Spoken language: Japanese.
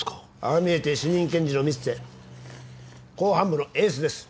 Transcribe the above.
ああ見えて主任検事の三瀬公判部のエースです。